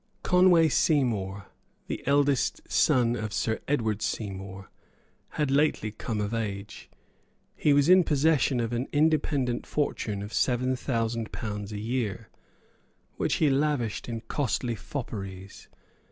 Conway Seymour, the eldest son of Sir Edward Seymour, had lately come of age. He was in possession of an independent fortune of seven thousand pounds a year, which he lavished in costly fopperies.